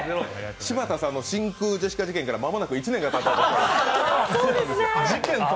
柴田さんの真空ジェシカ事件から間もなく１年がたちます。